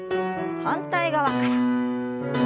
反対側から。